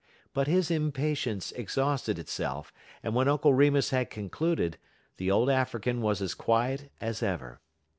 But his impatience exhausted itself, and when Uncle Remus had concluded, the old African was as quiet as ever.